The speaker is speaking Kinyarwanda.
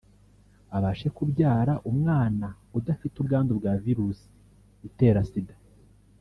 abashe kubyara umwana udafite ubwandu bwa virusi itera Sida